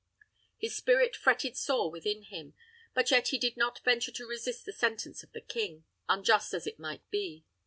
His spirit fretted sore within him; but yet he did not venture to resist the sentence of the king, unjust as it might be.